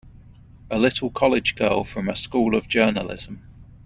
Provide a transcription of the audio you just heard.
A little college girl from a School of Journalism!